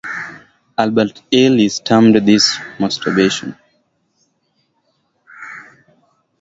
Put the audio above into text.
Albert Ellis termed this "musturbation".